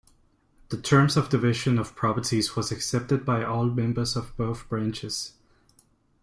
The terms of division of properties was accepted by all members of both branches.